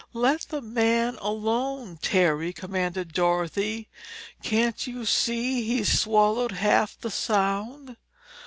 "Let the man alone, Terry!" commanded Dorothy. "Can't you see he's swallowed half the Sound?"